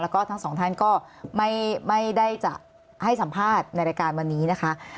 แล้วก็ทั้งสองท่านก็ไม่ได้จะให้สัมภาษณ์ในรายการวันนี้นะคะ